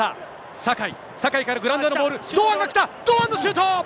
酒井、酒井からグラウンダーのボール、堂安が来た、堂安のシュート。